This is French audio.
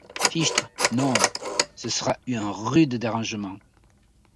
Fichtre, non! ce sera un rude dérangement...